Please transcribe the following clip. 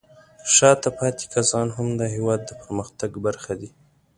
شاته پاتې کسان هم د هېواد د پرمختګ برخه دي.